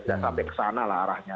tidak sampai ke sana lah arahnya